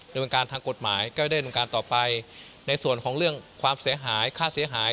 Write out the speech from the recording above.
โดยการทางกฎหมายก็ได้โดยการต่อไปในส่วนของเรื่องความเสียหาย